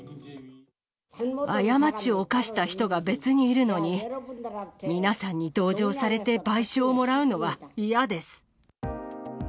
過ちを犯した人が別にいるのに、皆さんに同情されて賠償をもらうのは嫌です。